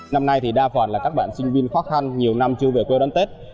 năm nay thì đa phần là các bạn sinh viên khó khăn nhiều năm chưa về quê đón tết